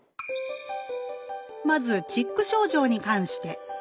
まずチック症状に関して。